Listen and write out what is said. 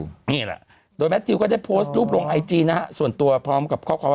นี่แหละโดยแมททิวก็ได้โพสต์รูปลงไอจีนะฮะส่วนตัวพร้อมกับข้อความว่า